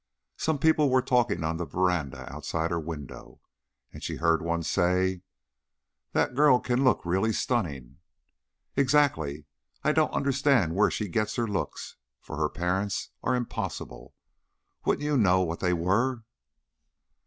Some people were talking on the veranda outside her window, and she heard one say: "The girl can look really stunning." "Exactly. I don't understand where she gets her looks, for her parents are impossible. Wouldn't you know what they were?"